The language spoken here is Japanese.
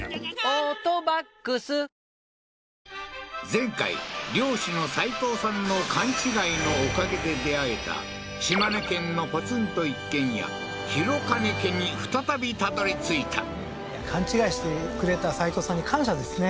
前回猟師の齋藤さんの勘違いのおかげで出会えた島根県のポツンと一軒家廣兼家に再び辿り着いた勘違いしてくれた齋藤さんに感謝ですね